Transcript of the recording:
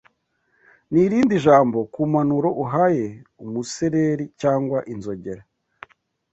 Ni irindi jambo kumpanuro uhaye umusereri cyangwa inzogera